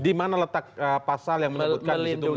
di mana letak pasal yang menyebutkan disitu melindungi